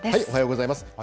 おはようございます。